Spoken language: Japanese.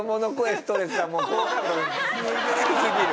ストレスはもう好感度低すぎる。